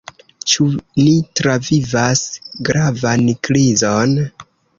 Ĉu ni travivas gravan krizon?